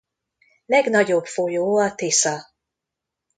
Legnagyobb folyó a Tisza.